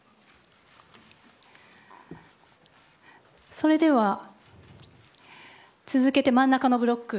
それでは続けて真ん中のブロック。